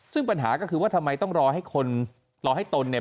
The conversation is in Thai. ซึ่งปัญหาก็คือว่าทำไมต้องรอให้คนรอให้ตนเนี่ย